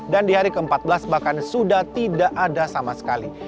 dan di hari ke empat belas bahkan sudah tidak ada sama sekali